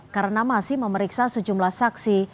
karena masih memeriksa sejumlah saksi